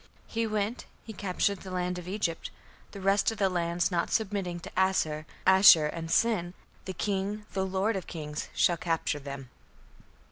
(He we)nt, he captured the land of Egypt. The rest of the lands not submitting (?) to Assur (Ashur) and Sin, the king, the lord of kings, shall capture (them)."